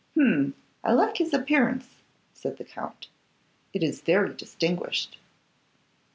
'Hum! I like his appearance,' said the Count. 'It is very distinguished.